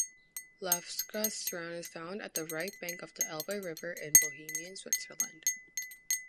Labská Stráň is found at the right bank of the Elbe river in the Bohemian Switzerland.